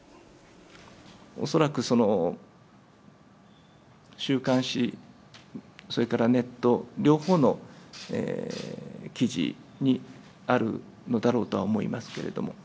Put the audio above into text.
恐らく、その週刊誌、それからネット、両方の記事にあるのだろうとは思いますけれども。